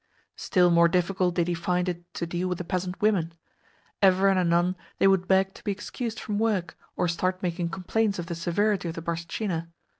Still more difficult did he find it to deal with the peasant women. Ever and anon they would beg to be excused from work, or start making complaints of the severity of the barstchina.